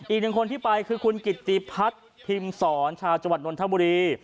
อีกหนึ่งคนที่ไปคือคุณกิตติพัฒน์พิมศรชาวจังหวัดนนทบุรี